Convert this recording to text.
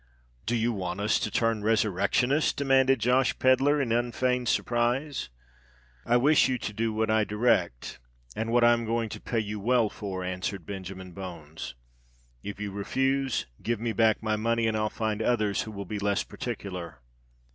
"Do you want us to turn resurrectionists?" demanded Josh Pedler, in unfeigned surprise. "I wish you to do what I direct, and what I am going to pay you well for," answered Benjamin Bones. "If you refuse, give me back my money, and I'll find others who will be less particular."